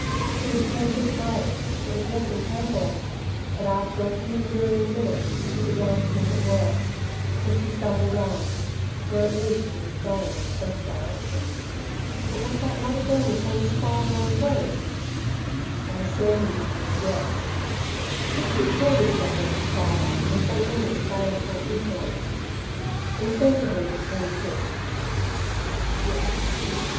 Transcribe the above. She would turn this way: it was less entangling. But after a few wearying minutes she began to think it worse, still she stumbled on, for at least she was going in a fresh direction. But was that not again the same spider and web? Of a certainty, yes. Should she kill this magnetic spider, and so end its baleful influence? Incentively the trees hissed 'Yes, yes.'